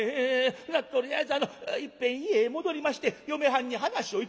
ほなとりあえずあのいっぺん家へ戻りまして嫁はんに話をいたします」。